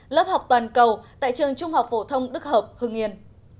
lớp học toàn cầu tại trường trung học phổ thông đức hợp hưng yên